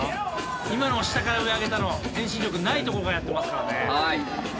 今の下から上に上げたの遠心力ないとこからやってますからね。